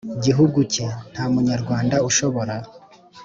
Gihugu cye. Nta Munyarwanda ushobora